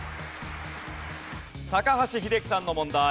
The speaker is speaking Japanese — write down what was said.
高橋英樹さんの問題。